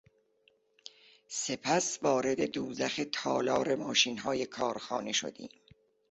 سپس وارد دوزخ تالار ماشینهای کارخانه شدیم.